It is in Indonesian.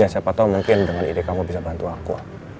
siapa tau mungkin dengan ide kamu bisa bantu aku